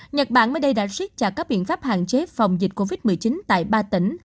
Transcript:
nhật bản mới đây đã siết chặt các biện pháp hạn chế phòng dịch covid một mươi chín tại ba tỉnh